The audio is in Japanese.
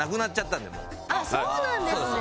そうなんですね！